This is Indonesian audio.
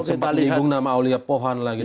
dan sempat liung nama aulia pohan lah gitu